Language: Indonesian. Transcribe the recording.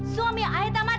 suami saya tidak mati